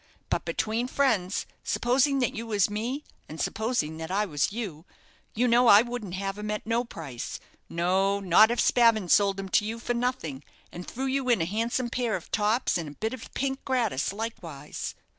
But between friends, supposing that you was me, and supposing that I was you, you know, I wouldn't have him at no price no, not if Spavin sold him to you for nothing, and threw you in a handsome pair of tops and a bit of pink gratis likewise."